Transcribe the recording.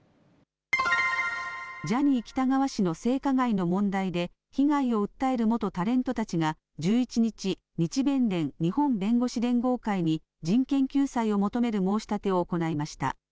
ジャニー喜多川氏の性加害の問題で被害を訴える元タレントたちが１１日、日弁連日本弁護士連合会に人権救済を求める申し立てを行いました。